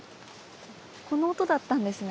この音だったんですね。